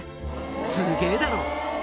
「すげぇだろ？」